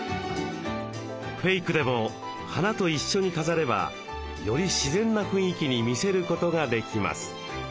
フェイクでも花と一緒に飾ればより自然な雰囲気に見せることができます。